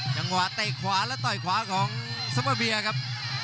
จังหวะเตะขวาและต่อยขวาของซัมมะเบียครับ